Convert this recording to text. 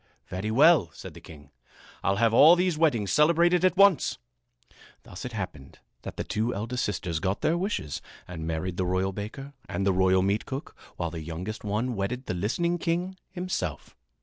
"Very well," said the king. "I'll have all these weddings celebrated at once." Thus it happened that the two eldest sisters got their wishes and married the royal baker and the royal meatcook, while the youngest one wedded the listening king himself.